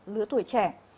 lứa tuổi trẻ